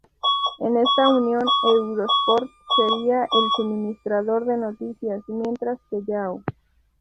En esta unión, Eurosport sería el suministrador de noticias, mientras que Yahoo!